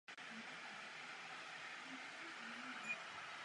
Tento přístup používal i ve svých pozdějších povídkách a románech.